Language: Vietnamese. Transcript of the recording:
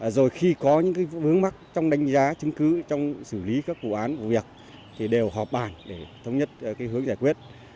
rồi khi có những hướng mắc trong đánh giá chứng cứ trong xử lý các vụ án vụ việc thì đều họp bàn để thống nhất hướng giải quyết